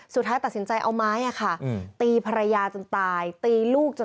สุดท้ายตัดสินใจเอาไม้